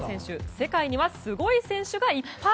世界にはすごい選手がいっぱい。